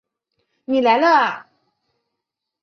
你来了啊